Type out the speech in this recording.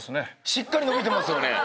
しっかり伸びてますよね。